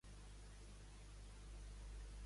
Festejar no és casar.